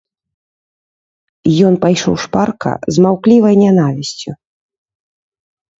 Ён пайшоў шпарка, з маўкліваю нянавісцю.